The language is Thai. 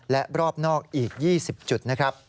และรอบนอกอีก๒๐จุด